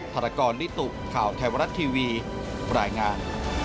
ธรกรนิตุข่าวไทยวรัฐทีวีรายงาน